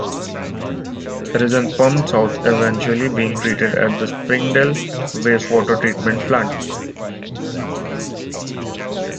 It is then pumped south, eventually being treated at the Springdale Wastewater Treatment Plant.